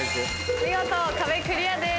見事壁クリアです。